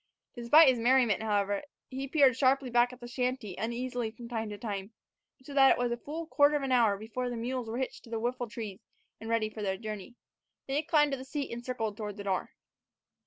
Despite his merriment, however, he peered back at the shanty uneasily from time to time; so that it was a full quarter of an hour before the mules were hitched to the whiffletrees and ready for their journey. Then he climbed to the seat and circled toward the door.